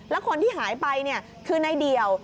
แล้วคนที่หายไปคือในเดี่ยว